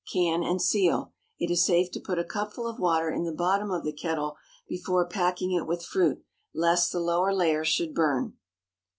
Can and seal. It is safe to put a cupful of water in the bottom of the kettle before packing it with fruit, lest the lower layer should burn.